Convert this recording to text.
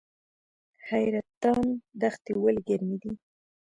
حیرتان دښتې ولې ګرمې دي؟